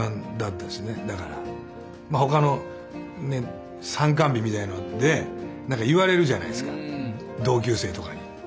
まあ他のね参観日みたいなので何か言われるじゃないですか同級生とかに。